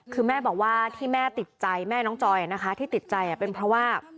คือแม่บอกว่าที่แม่ติดใจแม่น้องจอยนะคะที่ติดใจเป็นเพราะว่า